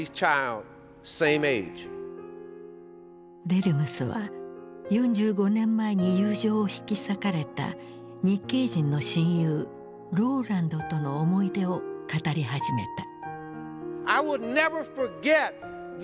デルムスは４５年前に友情を引き裂かれた日系人の親友ローランドとの思い出を語り始めた。